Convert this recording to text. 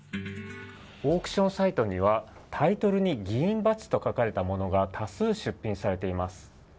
オークションサイトにはタイトルに議員バッジと書かれたものが多数出品されています。